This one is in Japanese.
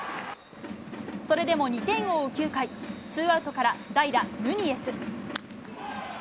それでも２点を追う９回、ツーアウトから代打、ヌニエス。